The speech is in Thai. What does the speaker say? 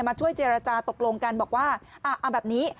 ช่วยเจรจาตกลงกันบอกว่าเอาแบบนี้